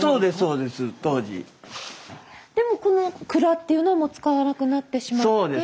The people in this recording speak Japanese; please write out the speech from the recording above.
でもこの蔵っていうのは使わなくなってしまって。